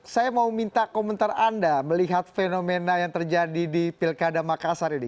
saya mau minta komentar anda melihat fenomena yang terjadi di pilkada makassar ini